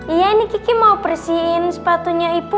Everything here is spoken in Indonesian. iya ini kiki mau bersihin sepatunya ibu